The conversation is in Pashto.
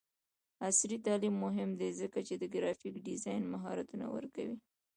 عصري تعلیم مهم دی ځکه چې د ګرافیک ډیزاین مهارتونه ورکوي.